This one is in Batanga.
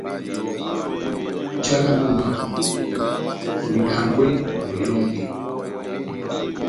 Njálá mɔ́ náh :« Ohidangwe, ohiwɔnge !»